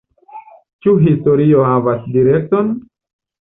Ĉu historio havas direkton?